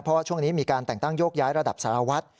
เพราะว่าช่วงนี้มีการแต่งตั้งโยกย้ายระดับสารวัตร